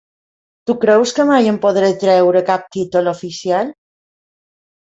Tu creus que mai em podré treure cap títol oficial?